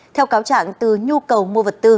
theo cáo trạng từ nhu cầu mua vật tư